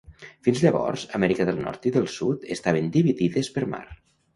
Fins llavors, Amèrica del Nord i del Sud estaven dividides per mar.